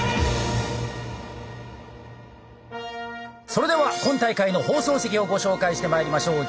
それでは今大会の放送席をご紹介してまいりましょう。